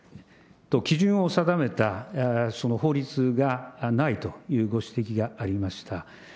基準を定めたその法律がないというご指摘がありました。